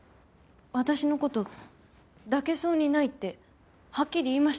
私の事抱けそうにないってはっきり言いましたよね？